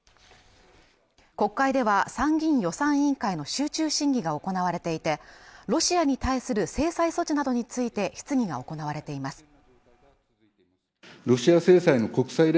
国会では参議院予算委員会の集中審議が行われていてロシアに対する制裁措置などについて質疑が行われています